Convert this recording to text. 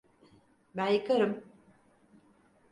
Ben yıkarım.